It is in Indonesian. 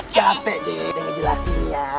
capek deh pengen jelasinnya